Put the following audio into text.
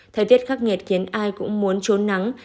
thời tiết khắc nghiệt khiến ai cũng muốn trốn nắng